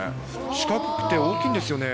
四角くて大きいんですよね。